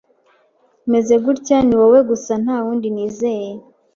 meze gutya, niwowe gusa ntawundi nizeye